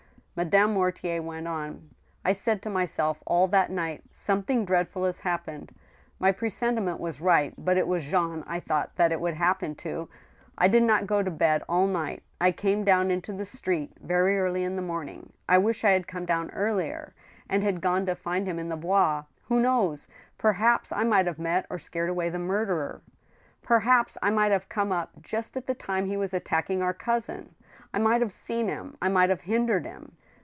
Madame Mortier went on :" I said to myself all that night, ' Something dreadful has hap pened !* My presentiment was right, but it was Jean I thought that it would happen to. ... I did not go to bed all night. ... I came rim TWO WIVES. 137 down into the street very early in the morning. ... I wish I had come down earlier, and had gone to find him in the Bois. Who knows ? Perhaps I might have met or scared away the murderer !... Perhaps I might have come up just at the time he was attack ing our cousin. ... I might have seen him, ... I might have hin« dered him.